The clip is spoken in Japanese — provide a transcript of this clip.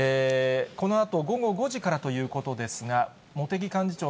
このあと午後５時からということですが、茂木幹事長、